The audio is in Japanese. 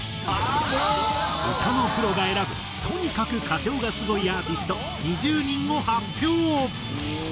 歌のプロが選ぶとにかく歌唱がスゴいアーティスト２０人を発表！